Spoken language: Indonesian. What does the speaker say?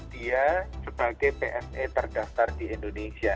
dia sebagai pse terdaftar di indonesia